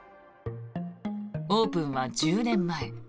オープンは１０年前。